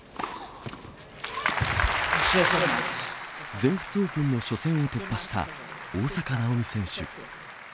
全仏オープンの初戦を突破した大坂なおみ選手。